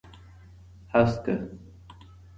هسکه